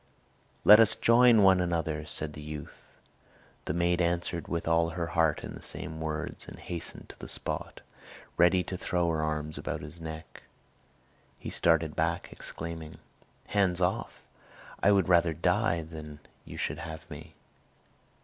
"Let us join one another," said the youth. The maid answered with all her heart in the same words, and hastened to the spot, ready to throw her arms about his neck. He started back, exclaiming, "Hands off! I would rather die than you should have me!"